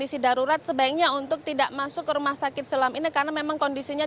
kondisi darurat sebaiknya untuk tidak masuk ke rumah sakit silam ini karena memang kondisinya